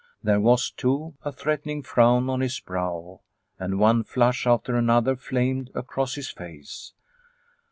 There was, too, a threatening frown on his brow, and one flush after another flamed across his face.